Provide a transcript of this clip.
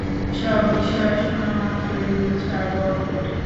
সব বিষয় শোনামাত্রই বুঝা বড় কঠিন।